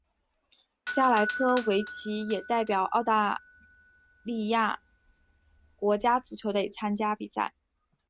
加莱科维奇也代表澳大利亚国家足球队参加比赛。